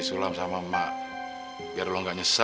masih ada yang mau ditanyain aja